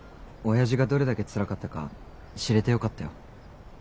親父がどれだけつらかったか知れてよかったよ。